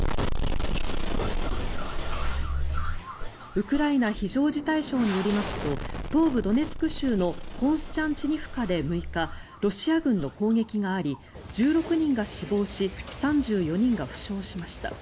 ウクライナ非常事態省によりますと東部ドネツク州のコンスチャンチニフカで６日ロシア軍の攻撃があり１６人が死亡し３４人が負傷しました。